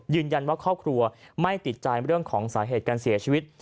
ครอบครัวไม่ติดใจเรื่องของสาเหตุการเสียชีวิต